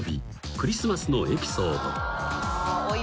クリスマスのエピソード］